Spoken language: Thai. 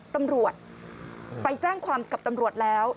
ตำรวจไปแจ้งความกับตำรวจแล้ว